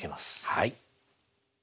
はい。